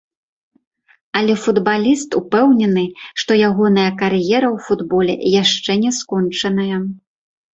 Але футбаліст упэўнены, што ягоная кар'ера ў футболе яшчэ не скончаная.